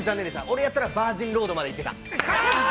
俺やったら、バージンロードまで行ってた。